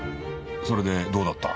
それでどうだった？